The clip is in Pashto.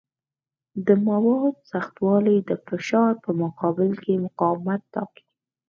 د موادو سختوالی د فشار په مقابل کې مقاومت ټاکي.